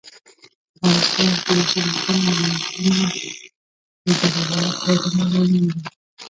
افغانستان کې د سړکونو او واټونو د جوړولو کارونه روان دي